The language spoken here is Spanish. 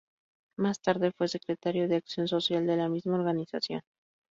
Más tarde fue secretario de Acción Social de la misma organización.